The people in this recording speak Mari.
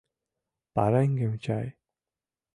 Пареҥгым чай.